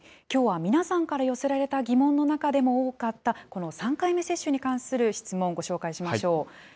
きょうは皆さんから寄せられた疑問の中でも多かったこの３回目接種に関する質問ご紹介しましょう。